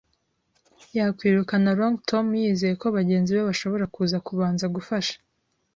yakwirukana Long Tom, yizeye ko bagenzi be bashobora kuza kubanza gufasha